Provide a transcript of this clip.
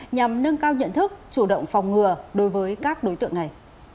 nhằm nâng cao nhận thức chủ động phòng ngừa đối với các đối tượng này